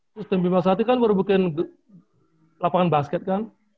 terus tim bima sati kan baru bikin lapangan basket kan